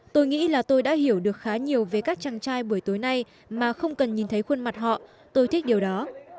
tôi nghĩ là tôi đã hiểu được khá nhiều về các chàng trai buổi tối nay mà không cần nhìn thấy khuôn mặt họ tôi thích điều đó